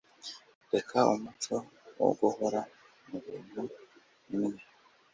Reka umuco woguhora mubintu bimwe.